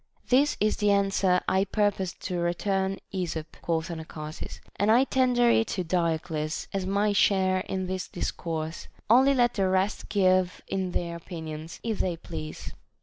This is the answer I purpose to return Esop, quoth Ana charsis, and I tender it to Diodes as my share in this dis course ; only let the rest give in their opinions, if they please.